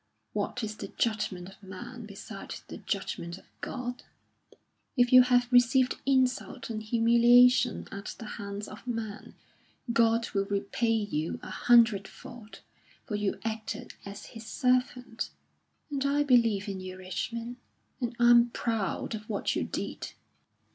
What is the judgment of man beside the judgment of God? If you have received insult and humiliation at the hands of man, God will repay you an hundredfold, for you acted as his servant. And I believe in you, Richmond; and I'm proud of what you did."